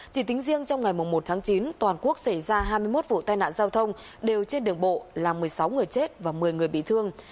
chỉ tính riêng trong ngày một tháng chín toàn quốc xảy ra hai mươi một vụ tai nạn giao thông đều trên đường bộ làm một mươi sáu người chết và một mươi người bị thương